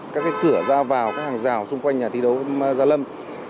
các cửa ra vào các hàng rào xung quanh nhà thi đấu gia lâm